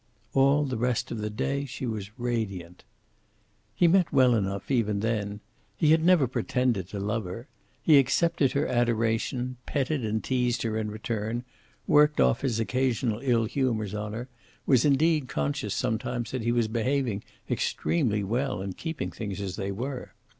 All the rest of the day she was radiant. He meant well enough even then. He had never pretended to love her. He accepted her adoration, petted and teased her in return, worked off his occasional ill humors on her, was indeed conscious sometimes that he was behaving extremely well in keeping things as they were.